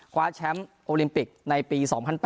คว้าแชมป์โอลิมปิกในปี๒๐๐๘